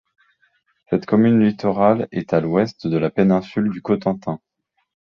Cette commune littorale est à l'ouest de la péninsule du Cotentin.